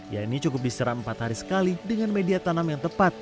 ya ini cukup diserap empat hari sekali dengan media tanam yang tepat